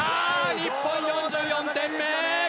日本４４点目。